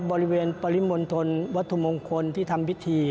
บริเวณปริมณฑลวัฒนมงคลที่ทำพิธี